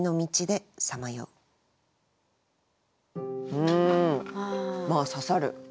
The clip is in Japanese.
うんまあ「刺さる」。